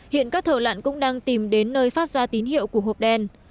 hiện các thở lạn cũng đang tìm đến nơi phát ra tín hiệu của hộp đen